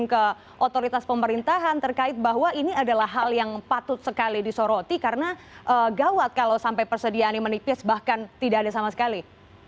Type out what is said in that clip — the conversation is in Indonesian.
ke otoritas pemerintahan terkait bahwa ini adalah hal yang patut sekali disoroti karena gawat kalau sampai persediaannya menipis bahkan tidak ada sama sekali